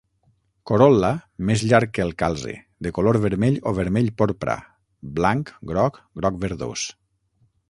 Corol·la, més llarg que el calze, de color vermell o vermell porpra, blanc, groc, groc-verdós.